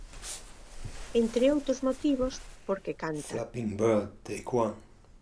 Entre outros motivos, porque canta.